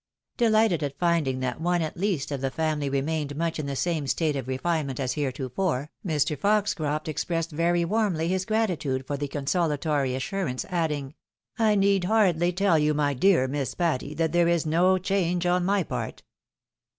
Delighted at finding that one, at least, of the family remained much in the same state of refinement as heretofore, Mr. Fox croft expressed very warmly his gratitude for the consolatory assurance, adding, " I need hardly tell you, my dear ]\Iiss Pattyj that there is no change on my part."